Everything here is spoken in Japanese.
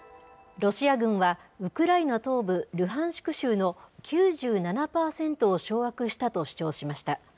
ロシア軍はウクライナ東部ルハンシク州の９７％を掌握したと主張しました。